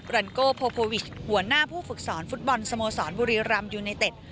รันโกโพวิชหัวหน้าผู้ฝึกสอนฟุตบอลสโมสรบุรีรำยูไนเต็ด